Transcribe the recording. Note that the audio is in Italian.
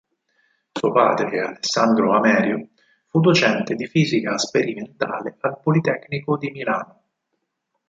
Suo padre, Alessandro Amerio, fu docente di fisica sperimentale al Politecnico di Milano.